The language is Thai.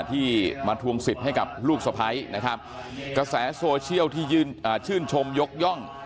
ที่มาทวงสิทธิ์ให้กับลูกสะพ้ายนะครับกระแสโซเชียลที่ชื่นชมยกย่อง